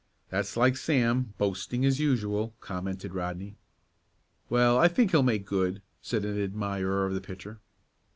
"That's like Sam boasting as usual," commented Rodney. "Well, I think he'll make good," said an admirer of the pitcher.